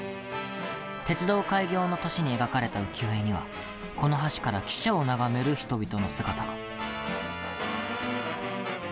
鉄道開業の年に描かれた浮世絵にはこの橋から汽車を眺める人々の姿が。